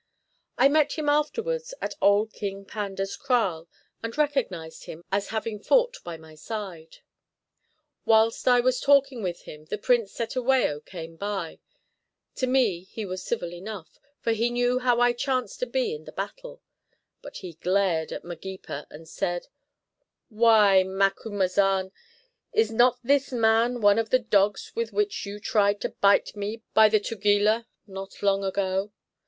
I met him afterwards at old King Panda's kraal and recognised him as having fought by my side. Whilst I was talking with him the Prince Cetewayo came by; to me he was civil enough, for he knew how I chanced to be in the battle, but he glared at Magepa, and said: "Why, Macumazahn, is not this man one of the dogs with which you tried to bite me by the Tugela not long ago?